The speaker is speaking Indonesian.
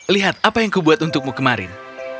lihat apa yang kubuat untukmu kemarin